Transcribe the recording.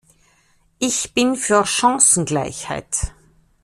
Ich bin für Chancengleichheit.